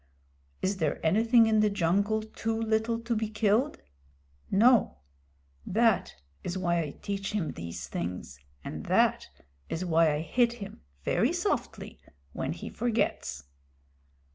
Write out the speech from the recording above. "Is there anything in the jungle too little to be killed? No. That is why I teach him these things, and that is why I hit him, very softly, when he forgets."